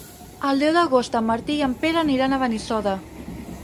El deu d'agost en Martí i en Pere aniran a Benissoda.